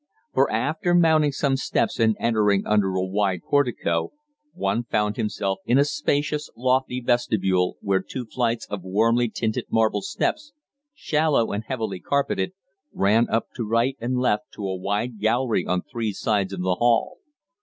For after mounting some steps and entering under a wide portico, one found oneself in a spacious, lofty vestibule where two flights of warmly tinted marble steps, shallow and heavily carpeted, ran up to right and left to a wide gallery on three sides of the hall.